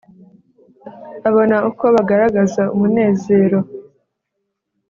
abona uko bagaragaza umunezero